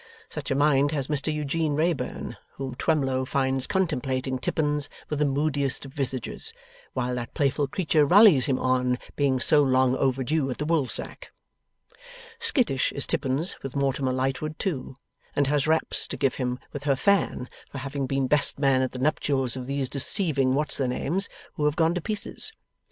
Such a mind has Mr Eugene Wrayburn, whom Twemlow finds contemplating Tippins with the moodiest of visages, while that playful creature rallies him on being so long overdue at the woolsack. Skittish is Tippins with Mortimer Lightwood too, and has raps to give him with her fan for having been best man at the nuptials of these deceiving what's their names who have gone to pieces.